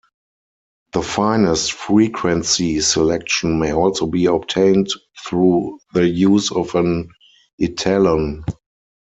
The finest frequency selection may also be obtained through the use of an etalon.